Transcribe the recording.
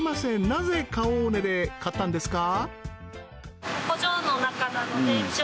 なぜカオーネで買ったんですか？